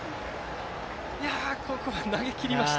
ここは投げきりました。